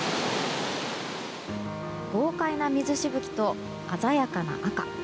豪快な水しぶきと鮮やかな赤。